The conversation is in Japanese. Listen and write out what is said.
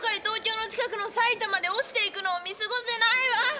東京の近くの埼玉で落ちていくのを見過ごせないわ！